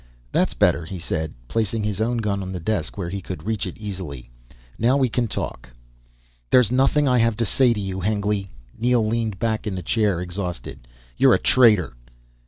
"That's better," he said, placing his own gun on the desk where he could reach it easily. "Now we can talk." "There's nothing I have to say to you, Hengly." Neel leaned back in the chair, exhausted. "You're a traitor!"